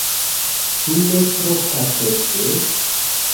Ĉu ne tro patose?